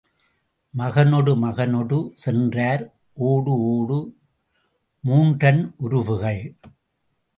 மகனொடு மகனோடு சென்றார் ஓடு, ஓடு மூன்றன் உருபுகள்.